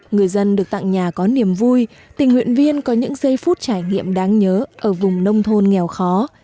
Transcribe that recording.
người dân được tặng nhà có niềm vui tình nguyện viên có những giây phút trải nghiệm đáng nhớ ở vùng nông thôn nghèo khó